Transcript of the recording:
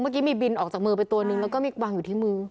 เมื่อกี้มีบินออกจากมือไปตัวนึงแล้วก็มีวางอยู่ที่มือ